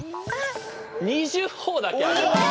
２０ほぉだけあげます。